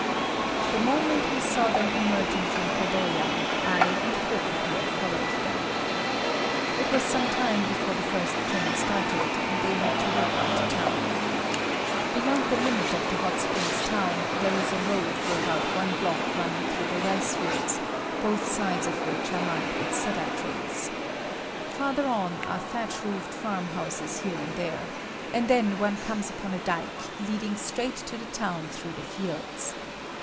The moment we saw them emerging from Kadoya, I and Porcupine followed them. It was some time before the first train started and they had to walk up to town. Beyond the limit of the hot springs town, there is a road for about one block running through the rice fields, both sides of which are lined with cedar trees. Farther on are thatch roofed farm houses here and there, and then one comes upon a dyke leading straight to the town through the fields.